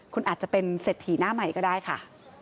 คุณอาจจะเป็นเศรษฐีหน้าใหม่ก็ได้ค่ะ